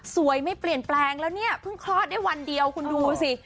ไม่เปลี่ยนแปลงแล้วเนี่ยเพิ่งคลอดได้วันเดียวคุณดูสิ